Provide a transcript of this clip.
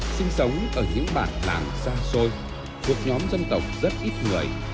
sinh sống ở những bản làng xa xôi thuộc nhóm dân tộc rất ít người